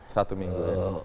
satu minggu ya